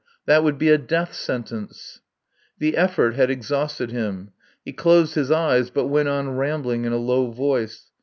That would be a death sentence. The effort had exhausted him. He closed his eyes, but went on rambling in a low voice.